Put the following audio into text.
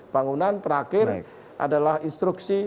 bangunan terakhir adalah instruksi